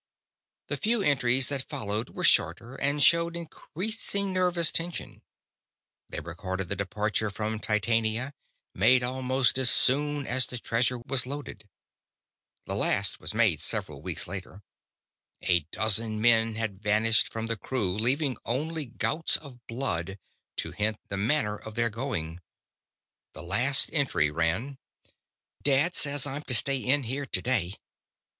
The few entries that followed were shorter, and showed increasing nervous tension. They recorded the departure from Titania, made almost as soon as the treasure was loaded. The last was made several weeks later. A dozen men had vanished from the crew, leaving only gouts of blood to hint the manner of their going. The last entry ran: "Dad says I'm to stay in here to day.